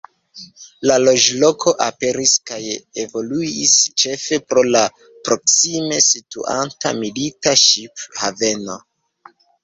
La loĝloko aperis kaj evoluis ĉefe pro la proksime situanta milita ŝip-haveno.